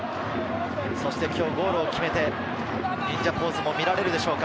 そして今日ゴールを決めてポーズも見られるでしょうか。